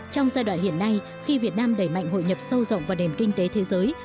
trong giai đoạn hiện nay khi việt nam đẩy mạnh hội nhập sâu rộng vào nền kinh tế thế giới